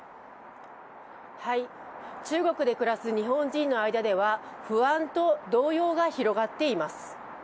中国で暮らす日本人の間では、不安と動揺が広がっています。